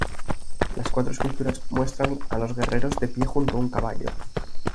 Las cuatro esculturas muestran a los guerreros de pie junto a un caballo.